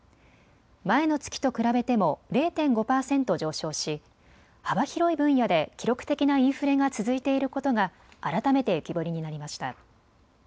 前の月と比べても０．５％上昇し幅広い分野で記録的なインフレが続いていることが改めて浮き彫りになりました。